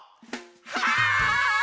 はい！